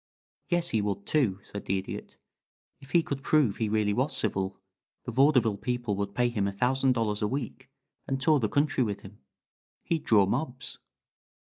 "Yes he would, too," said the Idiot. "If he could prove he really was civil, the vaudeville people would pay him a thousand dollars a week and tour the country with him. He'd draw mobs."